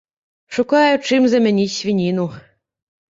Шукаю, чым замяніць свініну.